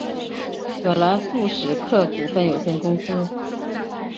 葛兰素史克股份有限公司。